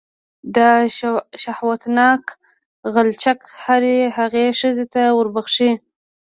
دا شهوتناک غلچک هرې هغې ښځې ته وربښې.